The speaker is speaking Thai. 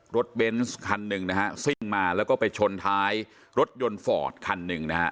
รถเบนส์คันหนึ่งซึ่งมาแล้วก็ไปชนท้ายรถยนต์ฟอร์ตคันหนึ่ง